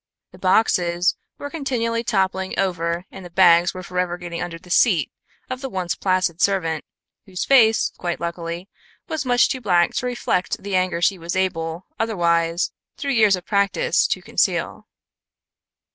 The boxes were continually toppling over and the bags were forever getting under the feet of the once placid servant, whose face, quite luckily, was much too black to reflect the anger she was able, otherwise, through years of practice, to conceal.